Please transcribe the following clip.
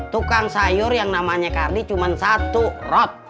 tukang sayur yang namanya kardi cuma satu rob